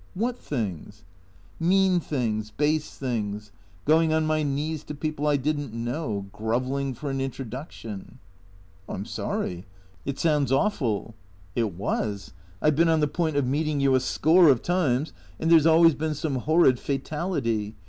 " What things ?"" Mean things, base things. Going on my knees to people I did n't know, grovelling for an introduction." " I 'm sorry. It sounds awful." " It was. I've been on the point of meeting you a score of times, and there 's always been some horrid fatality.